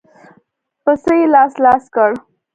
پسه يې لاس لاس کړ.